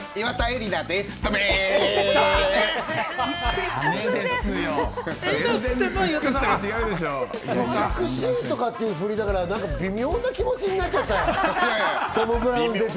美しいっていう振りだから微妙な気持ちになっちゃったよ。